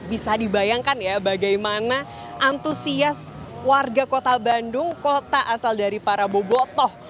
bisa dibayangkan ya bagaimana antusias warga kota bandung kota asal dari para bobotoh